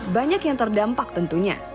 banyak yang terdampak tentunya